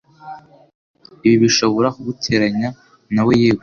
ibi bishobora kuguteranya na we yewe